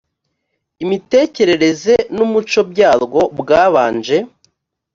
imitekerereze n umuco byarwo bwabanje